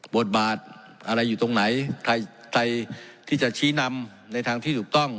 บทบาทอะไรอยู่ตรงไหนใครที่จะชี้นำในทางที่ถูกต้อง